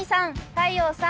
太陽さん